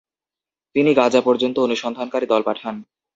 তিনি গাজা পর্যন্ত অনুসন্ধানকারী দল পাঠান।